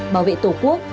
bảo vệ tổ quốc